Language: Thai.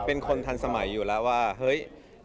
เป็นคนทันสมัยอยู่แล้วว่าเฮ้ย